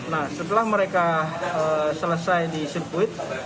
nah setelah mereka selesai di sirkuit